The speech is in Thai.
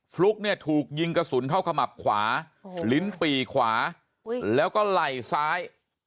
ฟลุ๊กเนี่ยถูกยิงกระสุนเข้าขมับขวาลิ้นปี่ขวาแล้วก็ไหล่ซ้าย